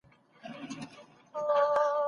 پلار او مور بايد د دوی تر منځ لانجه حل کړي.